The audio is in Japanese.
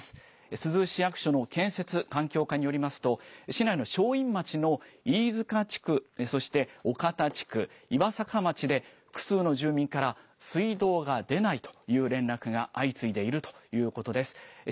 珠洲市役所の建設環境課によりますと、市内の正院町のいいづか地区、そしておかた地区、いわさか町で、複数の住民から水道が出ないという連絡が相次いでいるということです。